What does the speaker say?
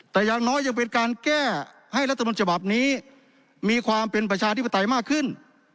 แต่อย่างน้อยยังเป็นการแก้ให้รัฐมนต์ฉบับนี้มีความเป็นประชาธิปไตยมากขึ้น